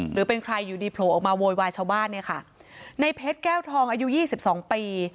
หรือเป็นใครอยู่ดีโผล่ออกมาโวยวายชาวบ้านเนี่ยค่ะในเพชรแก้วทองอายุยี่สิบสองปี